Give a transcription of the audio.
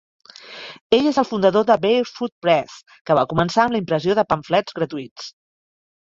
Ell és el fundador de Barefoot Press, que va començar amb la impressió de pamflets gratuïts.